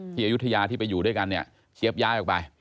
ที่อยุธยาที่ไปอยู่ด้วยกันเจ๊บย้ายออกไป